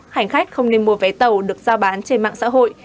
hành khách không nên mua vé tàu được giao bán trên mạng xã hội